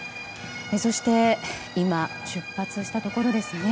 そして今出発したところですね。